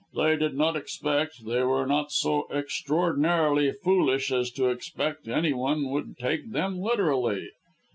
They did not expect they were not so extraordinarily foolish as to expect any one would take them literally.